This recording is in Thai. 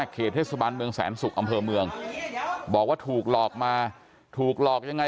เขตเทศบาลเมืองแสนศุกร์อำเภอเมืองบอกว่าถูกหลอกมาถูกหลอกยังไง